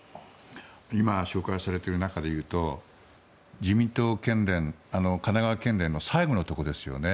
今、紹介されている中で言うと自民党県連、神奈川県連の最後のところですよね。